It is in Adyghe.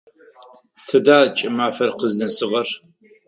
Тыда кӏымафэр къызнэсыгъэр?